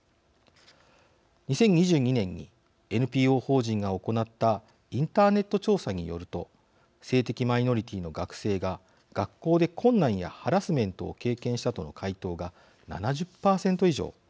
２０２２年にＮＰＯ法人が行ったインターネット調査によると性的マイノリティーの学生が学校で困難やハラスメントを経験したとの回答が７０％以上。